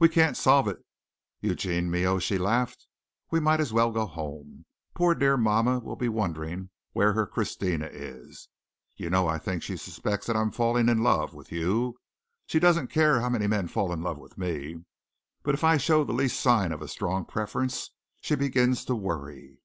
"We can't solve it, Eugenio mio," she laughed. "We might as well go home. Poor, dear mamma will be wondering where her Christina is. You know I think she suspects that I'm falling in love with you. She doesn't care how many men fall in love with me, but if I show the least sign of a strong preference she begins to worry."